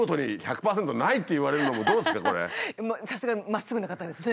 さすがまっすぐな方ですね。